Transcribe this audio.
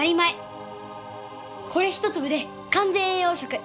これ一粒で完全栄養食！